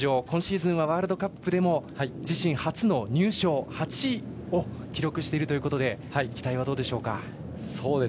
今シーズンはワールドカップでも自身初の入賞、８位を記録しているということで期待はどうでしょうか？